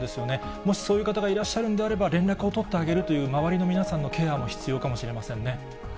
もしそういう方がいらっしゃるんであれば、連絡を取ってあげるという、周りの皆さんのケアも必要かもしれませんね。